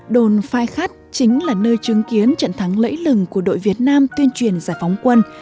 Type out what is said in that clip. đồn phai khắt chính là nơi chứng kiến trận thắng lẫy lừng của đội việt nam tuyên truyền giải phóng quân